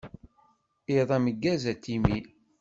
Iḍ ameggaz a Timmy.